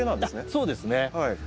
そうですね。